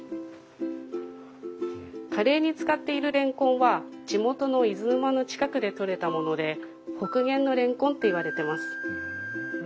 カレーに使っているレンコンは地元の伊豆沼の近くで取れたもので北限のレンコンっていわれてます。